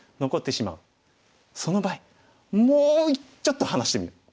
その場合もうちょっと離してみる。